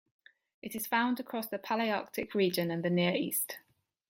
It is found across the Palearctic region and the Near East.